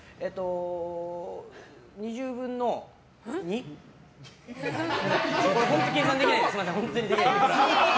２０分の２？本当計算できないのですみません。